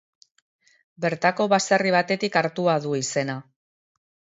Bertako baserri batetik hartua du izena.